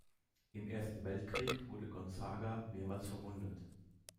Im Ersten Weltkrieg wurde Gonzaga mehrmals verwundet.